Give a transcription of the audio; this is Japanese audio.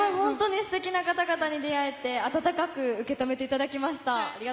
ステキな方々に会えて、温かく受け止めていただきました。